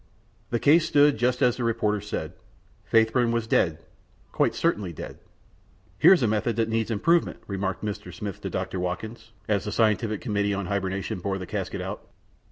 The case stood just as the reporter said. Faithburn was dead, quite certainly dead! "Here is a method that needs improvement," remarked Mr. Smith to Dr. Wilkins, as the scientific committee on hibernation bore the casket out.